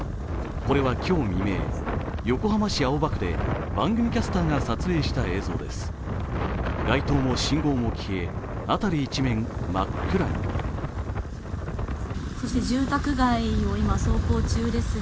これは今日未明、横浜市青葉区で番組キャスターが撮影した映像です。